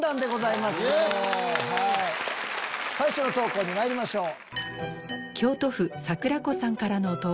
最初の投稿にまいりましょう。